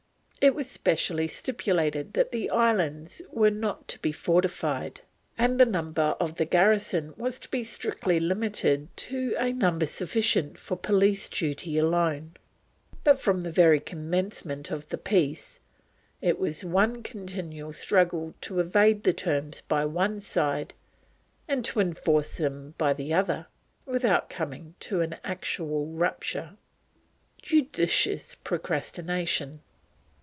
It was specially stipulated that the islands were not to be fortified, and the number of the garrison was to be strictly limited to a number sufficient for police duty alone; but from the very commencement of the peace, it was one continual struggle to evade the terms by one side, and to enforce them by the other, without coming to an actual rupture. JUDICIOUS PROCRASTINATION.